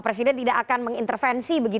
presiden tidak akan mengintervensi